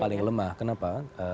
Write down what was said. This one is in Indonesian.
paling lemah kenapa